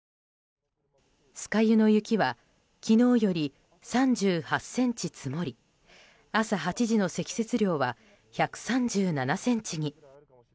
酸ヶ湯の雪は昨日より３８ｃｍ積もり朝８時の積雪量は１３７ｃｍに。